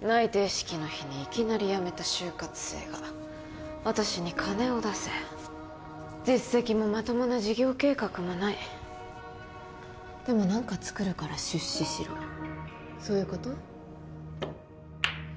内定式の日にいきなり辞めた就活生が私に金を出せ実績もまともな事業計画もないでも何かつくるから出資しろそういうこと？